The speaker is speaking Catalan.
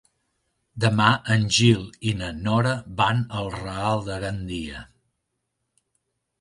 Demà en Gil i na Nora van al Real de Gandia.